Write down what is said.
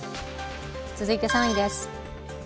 続いて３位です。